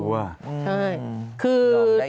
มากลัว